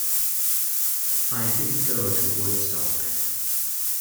I didn't go to Woodstock.